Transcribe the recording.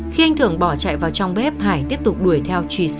khi anh thưởng bỏ chạy vào trong bếp hải tiếp tục đánh bạc tại xã đông tiến huyện đông sơn